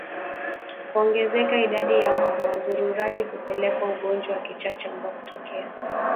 Kuongezeka idadi ya mbwa wazururaji hupelekea ugonjwa wa kichaa cha mbwa kutokea